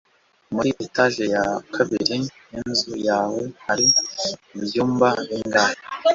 muri etaje ya kabiri yinzu yawe hari ibyumba bingahe